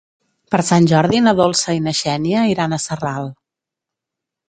Per Sant Jordi na Dolça i na Xènia iran a Sarral.